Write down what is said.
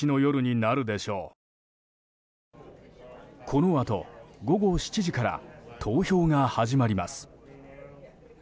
このあと、午後７時から投票が始まります。